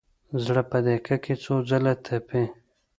زړه په دقیقه کې څو ځله تپي.